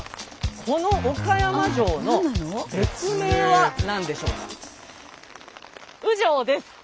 この岡山城の別名は何でしょうか？